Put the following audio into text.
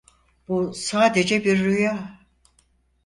Bu sadece bir rüya.